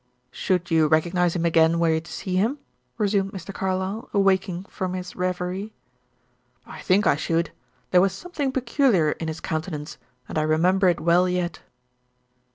"Should you recognize him again were you to see him?" resumed Mr. Carlyle awakening from his reverie. "I think I should. There was something peculiar in his countenance, and I remember it well yet."